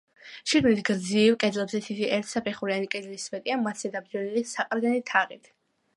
შიგნით გრძივ კედლებზე თითი ერთსაფეხურიანი კედლის სვეტია, მათზე დაბჯენილი საყრდენი თაღით.